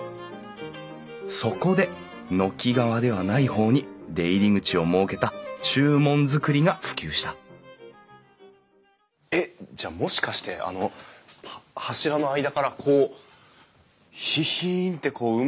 そこで軒側ではない方に出入り口を設けた中門造りが普及したえっじゃあもしかしてあの柱の間からこうヒヒンってこう馬が首を出してたんですかね？